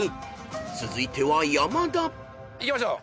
［続いては山田］いきましょう。